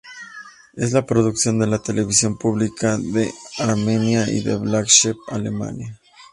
Es la producción de la Televisión Pública de Armenia y de Black Sheep, Alemania.